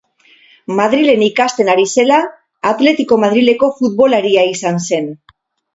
Madrilen ikasten ari zela, Atletico Madrileko futbolaria izan zen.